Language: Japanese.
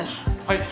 はい。